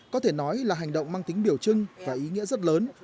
có thể nói là hành động mang tính biểu trưng và ý nghĩa rất lớn